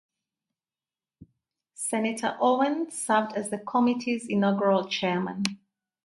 Senator Owen served as the Committee's inaugural Chairman.